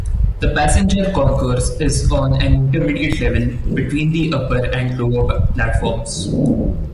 The passenger concourse is on an intermediate level between the upper and lower platforms.